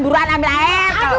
buruan ambil air